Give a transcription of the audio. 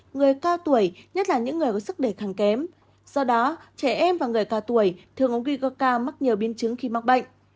người cao tuổi nhất là những người có sức đề kháng kém do đó trẻ em và người cao tuổi thường có nguy cơ cao ca mắc nhiều biến chứng khi mắc bệnh